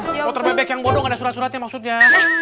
motor bebek yang bodong ada surat suratnya maksudnya